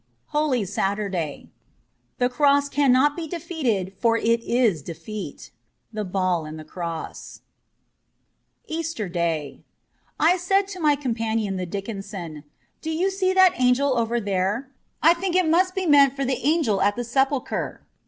* 414 HOLY SATURDAY THE Cross cannot be defeated for it is defeat. ' The Ball and the Cross.' 415 EASTER DAY I SAID to my companion the Dickensian, * Do you see that angel over there ? I think it must be meant for the Angel at the Sepulchre.'